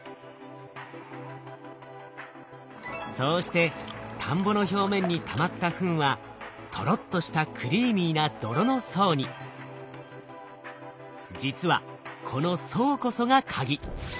そうして田んぼの表面にたまったフンはとろっとした実はこの層こそがカギ。